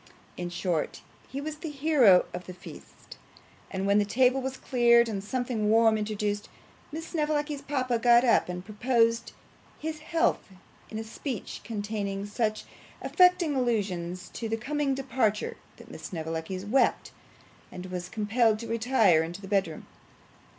In short, he was the hero of the feast; and when the table was cleared and something warm introduced, Miss Snevellicci's papa got up and proposed his health in a speech containing such affecting allusions to his coming departure, that Miss Snevellicci wept, and was compelled to retire into the bedroom.